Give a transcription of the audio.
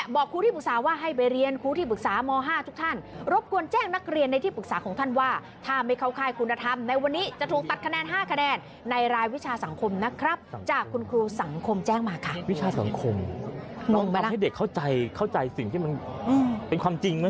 น้องทำให้เด็กเข้าใจสิ่งที่มันเป็นความจริงไม่ใช่เหรอ